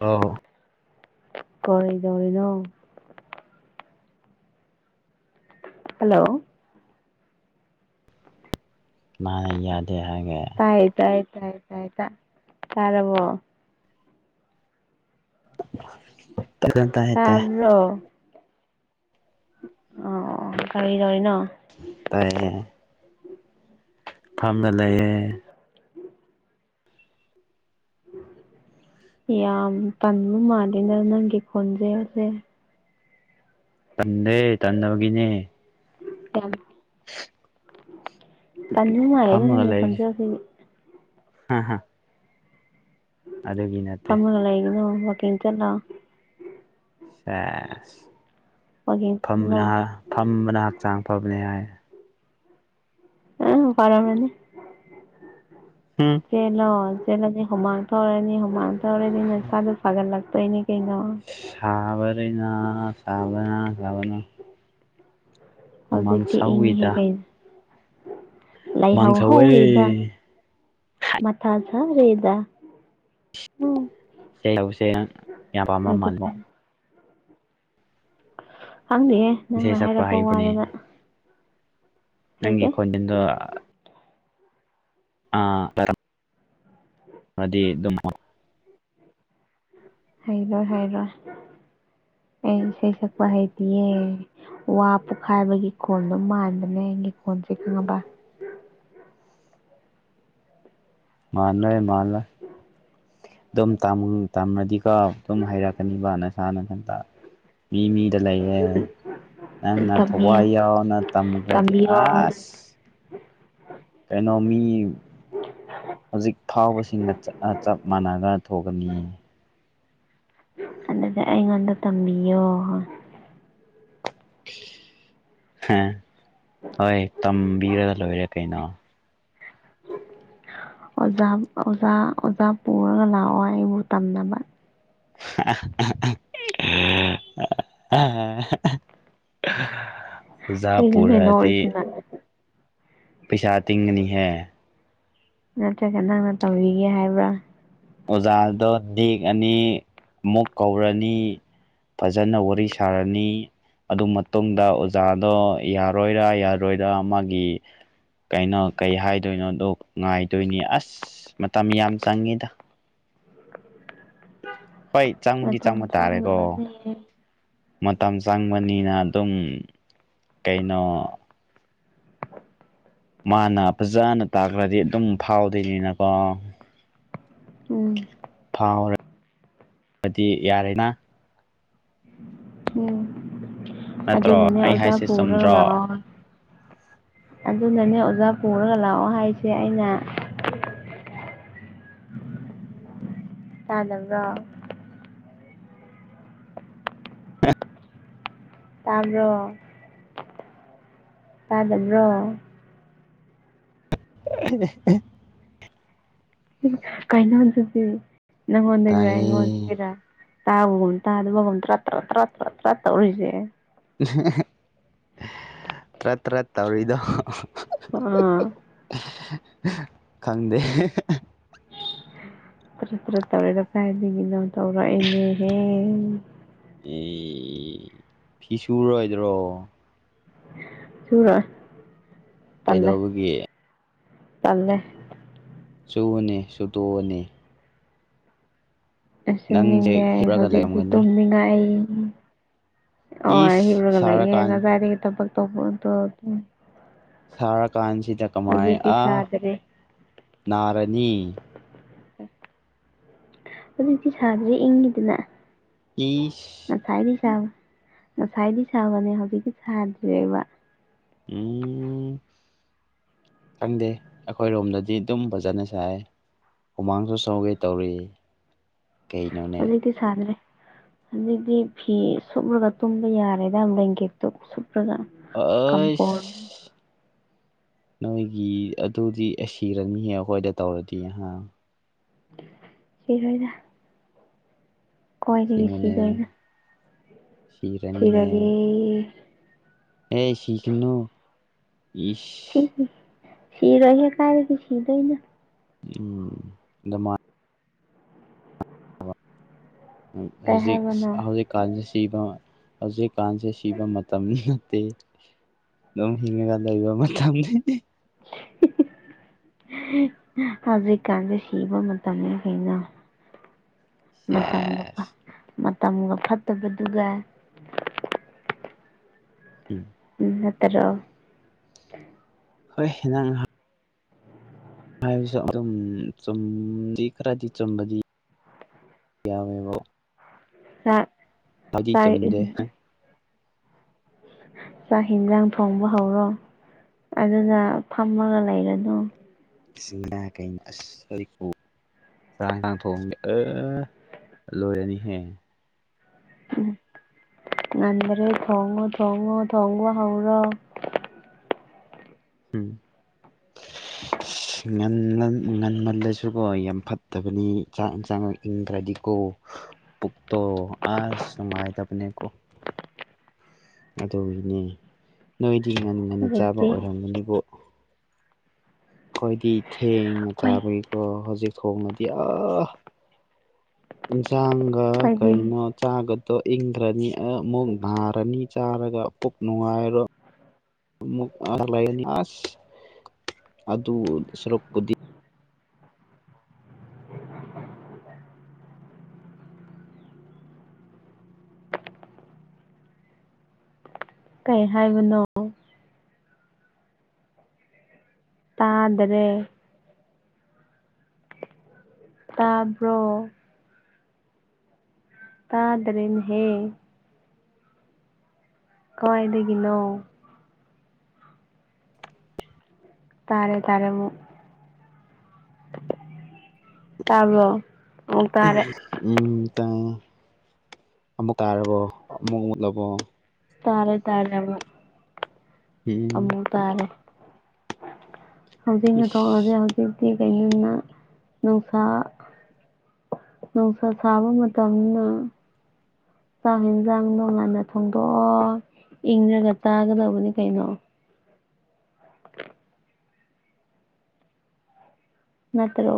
ꯑꯣ ꯀꯩꯗꯧꯔꯤꯅꯣ ꯍꯜꯂꯣ ꯃꯥꯅ ꯌꯥꯗꯦ ꯍꯥꯏꯒꯦ ꯇꯥꯥꯏ ꯇꯥꯏ ꯇꯥꯔꯕꯣ [unintelligible] ꯇꯥꯏ ꯇꯥꯏ ꯇꯥꯕ꯭ꯔꯣ ꯑꯣ ꯀꯩꯗꯧꯔꯤ ꯅꯣ ꯇꯥꯏꯌꯦ ꯐꯝꯅ ꯂꯩꯌꯦ ꯌꯥꯝ ꯇꯟꯕ ꯃꯥꯟꯂꯤ ꯅ ꯅꯪꯒꯤꯦ ꯈꯣꯟꯖꯦꯜꯁꯦ ꯇꯟꯗꯦ ꯇꯟ ꯗꯕꯒꯤꯅꯦ [unintelligible] [unintelligible] ꯇꯟꯕ ꯃꯥꯟꯂꯤꯗ ꯐꯝꯃꯒ ꯅꯪꯒꯤ ꯂꯩꯔꯤꯁꯦ ꯈꯣꯟꯖꯦꯜꯁꯤꯗꯤ ꯍꯥ ꯍꯥ ꯑꯗꯨꯒꯤ ꯅꯠꯇꯦ ꯐꯝꯕꯒ ꯂꯩꯒꯅꯣ ꯋꯥꯛꯀꯤꯡ ꯆꯠꯂꯣ ꯁꯦꯁ ꯋꯥꯛꯀꯤꯡ ꯆꯠꯂꯣ ꯐꯝꯕꯅ ꯐꯝꯕꯅ ꯍꯛꯆꯥꯡ ꯐꯕꯅꯤ ꯍꯥꯏ ꯑ ꯐꯔꯃꯅꯤ ꯍꯨꯝ ꯆꯦꯟꯂꯣ ꯆꯦꯟꯂꯗꯤ ꯍꯨꯃꯥꯡ ꯊꯣꯛꯔꯅꯤ ꯍꯨꯃꯥꯡ ꯊꯣꯛꯑꯗꯤ ꯅꯁꯥꯗꯨ ꯐꯒꯠ ꯂꯥꯛꯇꯣꯏ ꯅꯦ ꯀꯩꯅꯣ ꯂꯣꯏꯅꯥ ꯁꯥꯕꯅ ꯁꯥꯕꯅ ꯍꯨꯃꯥꯡ ꯍꯧꯖꯤꯛꯇꯛꯇꯤ ꯏ ꯁꯧꯋꯤꯗ ꯍꯦꯛ ꯀꯩꯅ ꯂꯩꯥꯏ ꯍ ꯍꯨꯃꯥꯡ ꯁꯧꯋꯦ ꯍꯗ ꯃꯊꯥꯖ ꯔꯦꯗꯥ ꯎꯝ ꯏꯁꯩ ꯍꯧꯧꯁꯦ ꯌꯥꯝ ꯄꯥꯝꯕ ꯑꯗꯨ ꯃꯥꯜꯂꯣ ꯈꯪꯅꯤꯑꯦ ꯏꯁꯩ ꯅꯪꯅ ꯁꯛꯄ ꯍꯥꯏꯔꯛꯄ ꯋꯥꯗꯅ ꯅꯪꯒꯤꯀꯣꯟꯗꯗꯨ ꯑꯔꯝ ꯃꯗꯤ ꯑꯗꯨꯃ ꯍꯩꯔꯣꯏ ꯍꯥꯏꯔꯣꯏ ꯑ ꯑꯩ ꯏꯁꯩ ꯁꯛꯄ ꯍꯩꯗꯤꯌꯦ ꯋꯥ ꯄꯣꯛꯈꯥꯏꯕꯒꯤ ꯈꯣꯟꯗꯣ ꯃꯥꯟꯕꯗꯅꯦ ꯑꯩꯒꯤ ꯈꯣꯟꯜ ꯈꯉꯕ ꯎ ꯃꯥꯜꯂꯣꯏ ꯃꯥꯜꯂ ꯑꯗꯨꯝ ꯇꯅꯗꯤ ꯀ ꯑꯗꯨꯝ ꯍꯩꯔꯛꯀꯅꯤꯕ ꯅꯁꯥꯅꯊꯟꯇ ꯃꯤ ꯃꯤꯗ ꯂꯩꯌꯦꯦ ꯅꯪꯅ ꯇꯝꯕꯤꯌꯣ ꯊꯋꯥꯏ ꯌꯥꯎꯅ ꯇꯝꯈ꯭ꯔꯗꯤ ꯇꯝꯕꯤꯌꯣ ꯑꯁ ꯀꯩꯅꯣꯃꯤ ꯍꯧꯖꯤꯛ ꯐꯥꯎꯕꯁꯤꯡꯒ ꯆꯞ ꯃꯥꯟꯅꯒ ꯊꯣꯛꯒꯅꯤ ꯑꯗꯨꯗꯤ ꯑꯩꯉꯣꯟꯗ ꯇꯝꯕꯤꯌꯣ ꯍꯣꯏ ꯍꯣꯏ ꯇꯝꯕꯤꯔꯒ ꯂꯣꯏꯔꯦ ꯀꯩꯅꯣ ꯑꯣꯖꯥ ꯑꯣꯖꯥ ꯑꯣꯖꯥ ꯄꯨꯔꯒ ꯂꯥꯛꯑꯣ ꯑꯩꯕꯨ ꯇꯝꯅꯕ [unintelligible] ꯑꯣꯖꯥ ꯑꯩꯁꯨꯅꯦ ꯄꯨꯔꯗꯤ ꯅꯣꯛꯔꯤꯁꯤꯅ ꯄꯁꯥ ꯇꯒꯅꯤ ꯍꯥꯏ ꯅꯠꯇ꯭ꯔꯒ ꯅꯪꯅ ꯇꯧꯤꯒꯦ ꯍꯥꯏꯕ꯭ꯔꯥ ꯑꯣꯖꯥꯗꯣ ꯗꯦꯛꯑꯅꯤ ꯑꯃꯨꯛ ꯀꯧꯔꯅꯤ ꯐꯖꯅ ꯋꯥꯔꯤ ꯁꯥꯔꯅꯤ ꯑꯗꯨ ꯃꯇꯨꯡꯗ ꯑꯣꯖꯥꯗꯣ ꯌꯥꯔꯣꯏꯔ ꯌꯥꯔꯣꯏꯔꯥ ꯃꯥꯒꯤ ꯀꯩꯅꯣ ꯀꯩ ꯍꯥꯏꯗꯣꯏꯅꯣꯗꯣ ꯉꯥꯏꯗꯣꯏꯅꯤ ꯑꯁ ꯃꯇꯝ ꯌꯥꯝ ꯆꯪꯉꯤꯗ ꯍꯣꯏ ꯆꯪꯕꯗꯤ ꯆꯪꯕ ꯃꯇꯝ ꯇꯥꯔꯦꯀꯣ ꯆꯪꯗꯕꯅꯦ ꯃꯇꯝ ꯆꯪꯕꯅꯤꯅ ꯑꯗꯨꯝ ꯀꯩꯅꯣ ꯃꯥꯅ ꯐꯖꯅ ꯇꯥꯛꯈ꯭ꯔꯗꯤ ꯑꯗꯨꯝ ꯐꯥꯎꯗꯣꯏꯅꯤꯅꯀꯣ ꯎꯝ ꯐꯥꯎꯔꯕꯗꯤ ꯌꯥꯔꯦꯅꯥ ꯎꯝ ꯅꯠꯇ꯭ꯔꯣ ꯑꯗꯨꯗꯅꯅꯦ ꯑꯩ ꯑꯣꯖꯥ ꯍꯥꯏꯁꯦ ꯄ ꯆꯨꯝꯗ꯭ꯔꯣ ꯄꯨꯔꯒ ꯑꯗꯨꯅꯅꯦ ꯑꯣꯖꯥ ꯄꯨꯔꯒ ꯂꯥꯛꯑꯣ ꯍꯥꯏꯁꯦ ꯑꯩꯅ ꯇꯥꯅ ꯇꯥꯕ꯭ꯔꯣ ꯇꯥꯗꯕ꯭ꯔꯣ [unintelligible] ꯀꯩꯅꯣꯗꯨꯗꯤ ꯅꯪꯉꯣꯟꯗꯗꯒꯤꯔ ꯇꯥꯏꯌꯦ ꯏꯉꯣꯟꯗꯒꯔ ꯇꯥꯕꯕ ꯇ ꯑꯗꯨꯕ ꯇ꯭ꯔꯠꯇ ꯇꯧꯔꯤꯁꯦ ꯇ꯭ꯔꯠ ꯇ꯭ꯔꯠ ꯇꯧꯔꯤꯗꯣ ꯑꯥ ꯈꯪꯗꯦ ꯇꯔ ꯇꯔꯥ ꯇꯧꯔꯤꯔ ꯀꯥꯏꯗꯒꯤꯅꯣ ꯇꯧꯔꯛꯏꯅꯦꯍꯦ ꯑꯦ ꯐꯤꯁꯨꯨꯔꯣꯏꯗ꯭ꯔꯣ ꯆꯨꯔ ꯀꯩꯗꯧꯕꯒꯤ ꯆꯜꯂꯦ ꯆꯨꯅꯤ ꯆꯨꯇꯣꯛꯑꯅꯤ ꯅꯪꯁꯦ ꯑꯁꯤꯟꯅꯤꯡꯗꯦ ꯍꯤꯞꯂꯒ ꯍꯧꯖꯤꯛꯇꯤ ꯂꯩꯔꯝꯒꯅꯤ ꯇꯨꯝꯅꯤꯡꯉꯥꯏ ꯑꯩ ꯑꯣ ꯏꯁ ꯍꯕꯔꯒꯂ ꯌꯦ ꯁꯥꯔꯀꯥꯟ ꯉ ꯔꯤꯒꯤ ꯇꯝꯛ ꯇ ꯁꯥꯔꯀꯥꯟꯁꯤꯗ ꯀꯃꯥꯏ ꯑ ꯁꯥꯗ꯭ꯔꯦ ꯅꯥꯔꯅꯤ ꯑꯗꯨꯗꯤ ꯁꯥꯗ꯭꯭ꯔꯦ ꯏꯪꯒꯤꯗꯅ ꯏꯁ ꯉꯁꯥꯏꯗꯤ ꯁꯥꯕ ꯉꯁꯥꯏꯗꯤ ꯁꯥꯕꯅꯦ ꯍꯧꯖꯤꯛꯗꯤ ꯁꯥꯗ꯭꯭ꯔꯔꯤꯕ ꯎꯝ ꯈꯪꯗꯦ ꯑꯩꯈꯣꯏꯔꯣꯝꯗꯗꯤ ꯑꯗꯨꯝ ꯐꯖꯅ ꯁꯥꯏ ꯍꯨꯃꯥꯡꯁꯨ ꯁꯧꯒꯦ ꯇꯧꯔꯤ ꯀꯩꯅꯣꯅꯦ ꯑꯗꯗꯤꯁꯗ꯭ꯔꯦ ꯑꯗꯨꯗꯤ ꯐꯤ ꯁꯨꯞꯂꯒ ꯇꯨꯝꯕ ꯌꯥꯔꯦꯗ ꯕꯦꯡꯀꯦꯠꯇꯣ ꯀꯝꯄ ꯑꯩꯁ ꯅꯣꯏꯒꯤ ꯑꯗꯨꯗꯤ ꯁꯤꯔꯅꯤꯍꯦ ꯑꯩꯈꯣꯏꯗ ꯇꯧꯔꯗꯤ ꯑꯍꯥ ꯀꯔꯣꯏꯗꯅ ꯀꯣꯏꯗꯒꯤꯗꯒꯤ ꯑꯁꯦꯡꯕꯅꯦ ꯁꯤꯗꯣꯏ ꯑꯣꯏꯅ ꯁꯤꯔꯅꯤꯍꯦ ꯐꯔꯅꯤ ꯑꯦ ꯁꯤꯈꯤꯅꯨ ꯏꯁ ꯁꯤꯔꯣꯢꯍꯦ ꯀꯥꯢꯗꯒꯤ ꯁꯤꯗꯣꯏꯅ ꯎꯝ ꯑꯗ ꯃꯥ ꯀꯩ ꯍꯧꯖꯤꯛ ꯍꯥꯏꯕꯅꯣ ꯍꯧꯖꯤꯛꯀꯥꯟꯁꯦ ꯁꯤꯕ ꯍꯧꯖꯤꯛꯀꯥꯟꯁꯦ ꯁꯤꯕ ꯃꯇꯝ ꯑꯗꯨꯝ ꯍꯅꯒꯗꯕ ꯃ ꯊ ꯍꯧꯖꯤꯛꯀꯥꯟꯁꯦ ꯁꯤꯕ ꯃꯇꯝꯅꯤ ꯀꯩꯅꯣ ꯃꯇꯝꯒ ꯁꯦꯁ ꯃꯇꯝꯒ ꯐꯠꯇꯕꯗꯨꯒ ꯎꯝ ꯎꯝ ꯅꯠꯇ꯭ꯔꯣ ꯍꯣꯏ ꯍꯟꯅꯍ ꯍꯥꯏꯕꯁꯨ ꯑꯗꯨ ꯆꯨꯝꯗꯤ ꯈꯔꯗꯤ ꯆꯨꯝꯕꯗꯤ ꯌꯥꯌꯥꯕꯨ ꯍꯥ ꯐꯖꯤ ꯆꯨꯝꯗꯦ ꯆꯥꯛꯟꯁꯥꯡ ꯊꯣꯡꯕ ꯍꯧꯔꯣ ꯑꯗꯨꯗ ꯐꯝꯃꯒ ꯂꯩꯔꯅꯨ ꯁꯤꯁꯤꯡ ꯀ ꯆꯔꯥꯡ ꯆꯥꯡ ꯊꯣꯡꯒꯦ ꯑ ꯂꯣꯏꯔꯅꯤꯍꯦ ꯑꯣꯝ ꯉꯗꯔꯦ ꯊꯣꯡꯉꯣ ꯇꯣꯡꯉꯣ ꯇꯣꯡꯉꯣ ꯍꯧꯥꯎꯔꯣ ꯎꯝ ꯉꯟꯃꯜꯂꯁꯨꯀꯣ ꯌꯥꯝ ꯐꯠꯇꯕꯅꯤ ꯆꯥꯛ ꯌꯦꯟꯁꯥꯡ ꯏꯪꯗ꯭ꯔꯗꯤꯀꯣ ꯄꯨꯛꯇꯣ ꯑꯁ ꯅꯨꯡꯉꯥꯏꯇꯕꯅꯦꯀꯣ ꯑꯗꯨꯒꯤꯅꯦ ꯅꯣꯏꯗꯤ ꯉꯟꯅ ꯉꯟꯅ ꯆꯥꯕ ꯍꯧꯖꯤꯛꯇꯤ ꯑꯣꯏꯔꯝꯝꯕꯅꯤꯕꯨ ꯑꯩꯣꯏꯗꯤ ꯊꯦꯡꯅ ꯑꯩꯈꯣꯏ ꯆꯥꯕꯒꯤꯀꯣ ꯍꯧꯖꯤꯛ ꯊꯣꯡꯅꯗꯤ ꯑ ꯏꯟꯁꯥꯡꯒ ꯑꯩꯈꯣꯏꯗꯤ ꯀꯩꯅꯣ ꯆꯥꯒ ꯇꯣ ꯏꯪꯈ꯭ꯔꯅꯤ ꯑ ꯃꯨꯛ ꯥꯔꯅꯤ ꯆꯥꯔꯒ ꯄꯨꯛ ꯅꯨꯡꯉꯥꯏꯔꯣ ꯂꯥꯏꯅꯤꯌꯥꯁ ꯑꯗꯨ ꯁꯔꯨꯛꯄꯗꯤ ꯀꯩ ꯍꯥꯏꯕꯅꯣ ꯇꯥꯗꯔꯦ ꯇꯥꯕ꯭ꯔꯣ ꯇꯥꯗ꯭ꯔꯦꯅ ꯍꯦ ꯀꯋꯥꯏꯗꯒꯤꯅꯣ ꯇꯥꯔꯦ ꯇꯔꯦꯃ ꯇꯥꯕ꯭ꯔꯣ ꯑꯃꯨꯛ ꯇꯥꯔꯦ ꯎꯝ ꯈꯤꯇꯪ ꯑꯃꯨꯛ ꯀꯥꯔꯕꯣ ꯑꯃꯨꯛ ꯃꯨꯠꯂꯕꯣ ꯇꯥꯔꯦ ꯇꯥꯔꯦꯃ ꯎꯝ ꯑꯃꯃꯨꯛ ꯇꯥꯔꯦ ꯍꯧꯖꯤꯛꯅ ꯊꯣꯛꯧꯔꯁꯦ ꯏꯁ ꯍꯧꯖꯤꯛꯇꯤ ꯀꯩꯅꯣꯝꯅ ꯅꯨꯡꯁꯥ ꯅꯨꯡꯁꯥ ꯁꯥꯕ ꯃꯇꯝꯅ ꯆꯥꯛ ꯌꯦꯟꯁꯥꯡ ꯅꯣꯡꯂꯥꯟꯗ ꯊꯣꯡꯗꯣꯛꯑꯣ ꯏꯪꯗꯔꯒ ꯇꯥꯒ ꯂꯧꯕꯅꯤ ꯀꯩꯅꯣ ꯅꯠꯇ ꯂꯣ